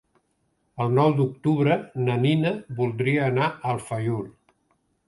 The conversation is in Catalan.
El nou d'octubre na Nina voldria anar a Alfauir.